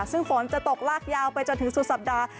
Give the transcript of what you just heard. ซึ่งฝนจะตกลากยาวไปจนถึงสุดสัปดาห์